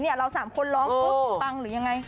เราสามคนร้องปุ๊บปังหรือยังไง